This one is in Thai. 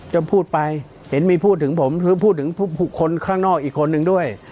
จะพูดไปเห็นมีพูดถึงผมหรือพูดถึงคนข้างนอกอีกคนนึงด้วย